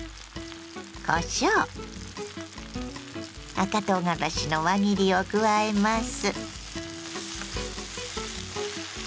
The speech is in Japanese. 赤とうがらしの輪切りを加えます。